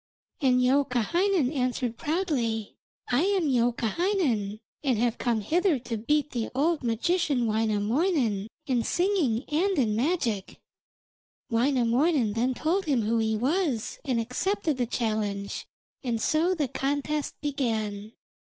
And Youkahainen answered proudly: 'I am Youkahainen, and have come hither to beat the old magician Wainamoinen in singing and in magic.' Wainamoinen then told him who he was, and accepted the challenge, and so the contest began.